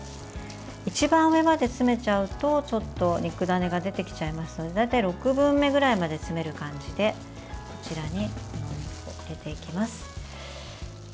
一番上まで詰めちゃうとちょっと肉ダネが出てきちゃいますので大体６分目ぐらいまで詰める感じでこちらに入れていきます。